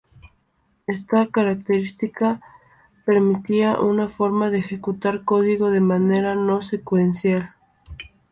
Esta característica permitía una forma de ejecutar código de manera no secuencial.